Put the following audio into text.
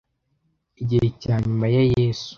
Igihe cya nyuma ya Yesu